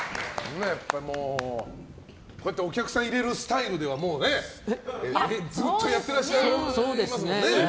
こうやってお客さんを入れるスタイルはずっとやってらっしゃいますもんね。